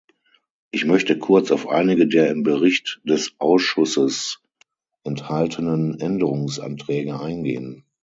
Ich möchte kurz auf einige der im Bericht des Ausschusses enthaltenen Änderungsanträge eingehen.